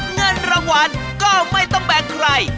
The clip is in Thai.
เงินรางวัลก็ไม่ต้องแบ่งใคร